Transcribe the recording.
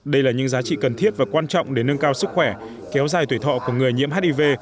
đây là những giá trị cần thiết và quan trọng để nâng cao sức khỏe kéo dài tuổi thọ của người nhiễm hiv